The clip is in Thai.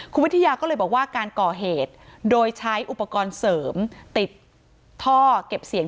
คุณวิทยาก็เลยบอกว่าการก่อเหตุโดยใช้อุปกรณ์เสริมติดท่อเก็บเสียง